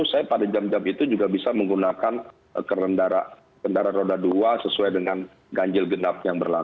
saya pada jam jam itu juga bisa menggunakan kerendara roda dua sesuai dengan ganjil genapnya